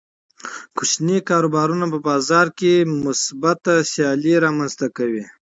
کوچني کاروبارونه په بازار کې مثبته سیالي رامنځته کوي.